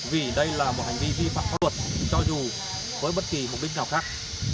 vì đây là một hành vi vi phạm pháp luật cho dù với bất kỳ mục đích nào khác